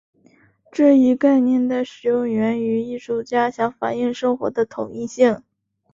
这一概念的使用源于艺术家想反映生活的统一性。